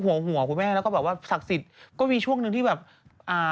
อันล่างสูงกว่าที่เป็นเหรียญนะ